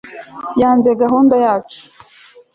yanze gahunda yacu